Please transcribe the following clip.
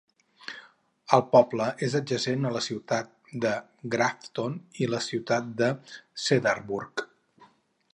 El poble és adjacent a la Ciutat de Grafton i la ciutat de Cedarburg.